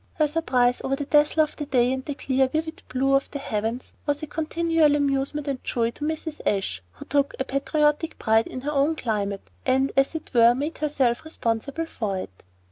Her surprise over the dazzle of the day and the clear, vivid blue of the heavens was a continual amusement and joy to Mrs. Ashe, who took a patriotic pride in her own climate, and, as it were, made herself responsible for it.